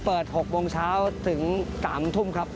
เปิด๖โมงเช้าถึง๓ทุ่มครับ